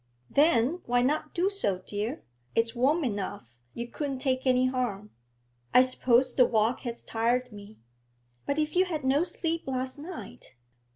'Then why not do so, dear? It's warm enough; you couldn't take any harm.' 'I suppose the walk has tired me.' 'But if you had no sleep last night?